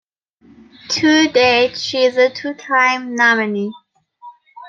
To date, she is a two-time nominee.